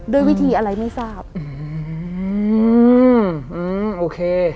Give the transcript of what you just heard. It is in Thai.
ด้วยวิธีอะไรไม่ทราบอืมอืมโอเค